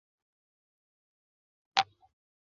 自此美国联邦政府出现廿多次次资金短缺。